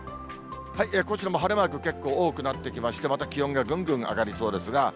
こちらも晴れマーク結構多くなってきまして、また気温がぐんぐん上がりそうですが。